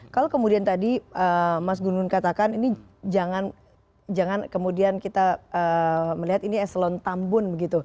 kalau kemudian tadi mas gunun katakan ini jangan kemudian kita melihat ini eselon tambun begitu